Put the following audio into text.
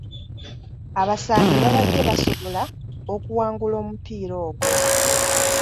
Abasambi babadde basobola okuwangula omupiira ogwo.